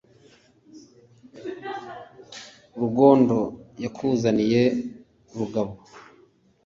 rugondo yakuzaniye rugabo